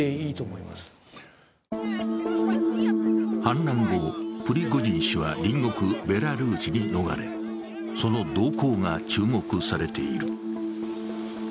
反乱後、プリゴジン氏は隣国ベラルーシに逃れその動向が注目されている。